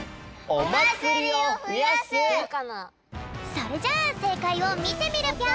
それじゃあせいかいをみてみるぴょん！